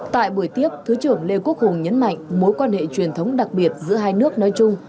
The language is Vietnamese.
tại buổi tiếp thứ trưởng lê quốc hùng nhấn mạnh mối quan hệ truyền thống đặc biệt giữa hai nước nói chung